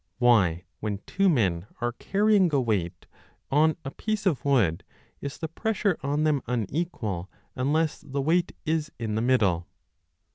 Why, when two men are carrying a weight on a piece of wood, is the pressure on them unequal unless the weight is in the middle